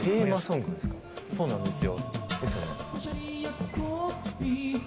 そうなんですよ